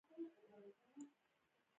ما غوښتل چې منډه کړم او ځان انیلا ته ورسوم